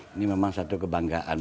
ini memang satu kebanggaan